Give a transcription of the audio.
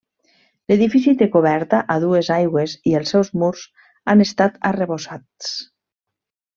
L'edifici té coberta a dues aigües i els seus murs han estat arrebossats.